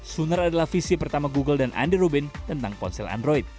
sooner adalah visi pertama google dan andy robin tentang ponsel android